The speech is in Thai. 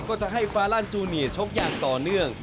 ก็จะให้ฟาลันจูเนียชกอย่างต่อเนื่อง